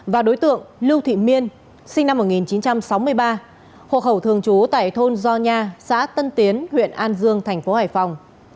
và đối tượng lưu thị miên sinh năm một nghìn chín trăm sáu mươi ba hộ khẩu thường trú tại thôn gio nha xã tân tiến huyện an dương thành phố hải phòng